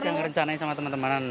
kita berencana sama teman temanan